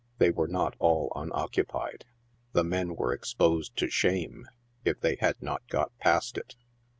They were not all unoccupied. The men were exposed to shame, if they had not got past it.